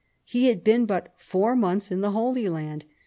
He ]Bad]been but four months in the Holy Land.